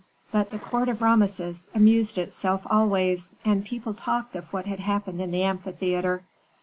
But the court of Rameses amused itself always, and people talked of what had happened in the amphitheatre.